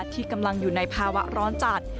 ที่กำลังอยู่ในภาวะร้อนจัด